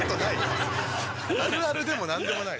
あるあるでも何でもない。